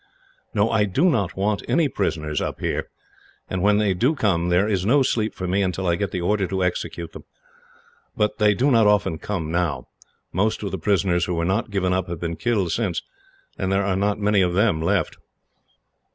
"No, I do not want any prisoners up here, and when they do come, there is no sleep for me until I get the order to execute them. But they do not often come now. Most of the prisoners who were not given up have been killed since, and there are not many of them left."